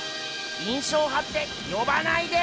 印象派って呼ばないで！